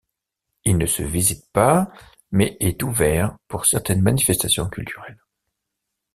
Il ne se visite pas, mais est ouvert pour certaines manifestations culturelles.